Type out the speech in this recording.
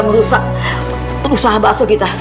merusak usaha bakso kita